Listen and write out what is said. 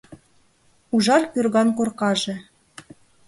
Ужар кӧрган коркаже